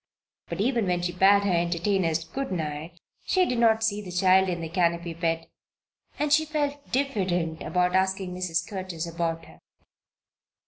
But even when she bade her entertainers good night she did not see the child in the canopy bed and she felt diffident about asking Mrs. Curtis about her.